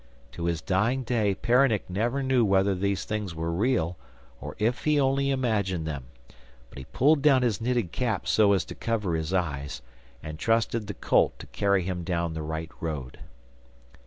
To his dying day Peronnik never knew whether these things were real or if he only imagined them, but he pulled down his knitted cap so as to cover his eyes, and trusted the colt to carry him down the right road.